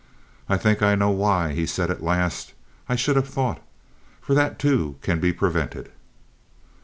"I think I know why," he said at last. "I should have thought. For that too can be prevented."